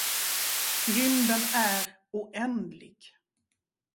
Rymden är oändlig.